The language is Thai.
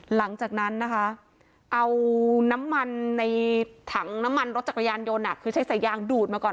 หลังจากนั้นนะคะเอาน้ำมันในถังน้ำมันรถจักรยานยนต์คือใช้สายยางดูดมาก่อน